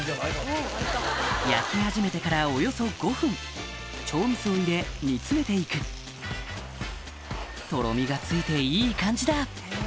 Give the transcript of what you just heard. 焼き始めてからおよそ５分調味酢を入れ煮詰めて行くとろみがついていい感じだ！